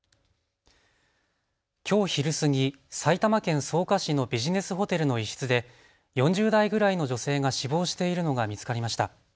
きょう昼過ぎ、埼玉県草加市のビジネスホテルの一室で４０代ぐらいの女性が死亡しているのが見つかりました。